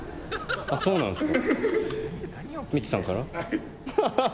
そうなんですか。